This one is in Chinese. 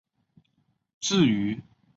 至于国际核数师为安永会计师事务所。